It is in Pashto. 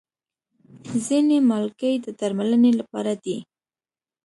ځینې مالګې د درملنې لپاره دي.